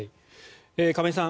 亀井さん